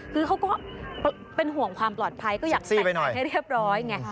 คือเขาก็เป็นห่วงความปลอดภัยก็อยากแต่งงานให้เรียบร้อยไง